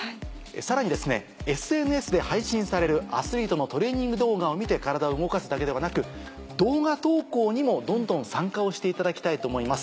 さらにＳＮＳで配信されるアスリートのトレーニング動画を見て体を動かすだけではなく動画投稿にもどんどん参加をしていただきたいと思います。